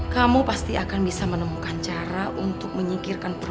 kamu pasti akan bisa menemukan cara untuk menyimpan melly